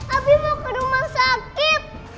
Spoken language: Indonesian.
habis mau ke rumah sakit